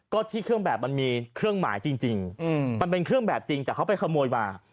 ก็ที่เครื่องแบบมันมีเครื่องหมายจริงมันเป็นเครื่องแบบจริงแต่เขาไปขโมยมา